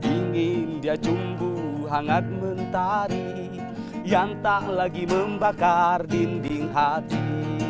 ingin dia jumbuh hangat mentari yang tak lagi membakar dinding hati